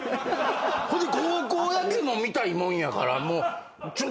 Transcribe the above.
ほんで高校野球も見たいもんやから。ちょっと何？